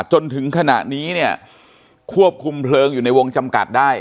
จนถึงขณะนี้เนี่ยควบคุมเพลิงอยู่ในวงจำกัดได้